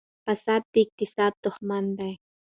فساد د اقتصاد دښمن دی.